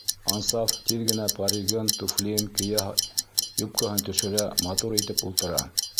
Ансаф тиҙ генә паригын, туфлийын кейә, юбкаһын төшөрә, матур итеп ултыра.